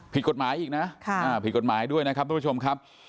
ผิดกฎหมายอีกนะผิดกฎหมายด้วยนะครับทุกผู้ชมครับ